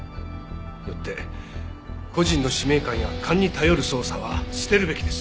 よって個人の使命感や勘に頼る捜査は捨てるべきです。